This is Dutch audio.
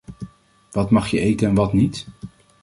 Wat mag je eten en wat niet?